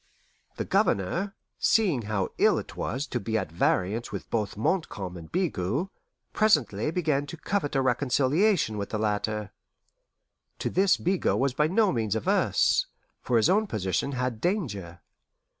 The Governor, seeing how ill it was to be at variance with both Montcalm and Bigot, presently began to covet a reconciliation with the latter. To this Bigot was by no means averse, for his own position had danger.